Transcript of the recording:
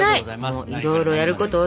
いろいろやること多すぎて！